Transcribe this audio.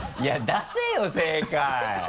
出せよ正解。